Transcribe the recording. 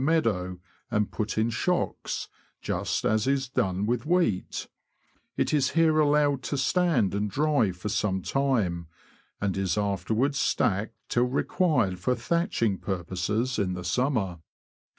213 meadow and put in shocks, just as is done with wheat ; it is here allowed to stand and dry for some time, and is afterwards stacked till required for thatch ing purposes in the summer.